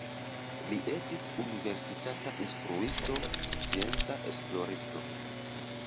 Li estis universitata instruisto, scienca esploristo.